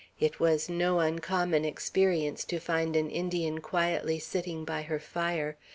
It was no uncommon experience to find an Indian quietly sitting by her fire.